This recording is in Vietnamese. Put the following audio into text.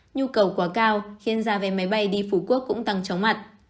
nhu cầu quá cao khiến giá vé máy bay đi phú quốc cũng tăng chóng mặt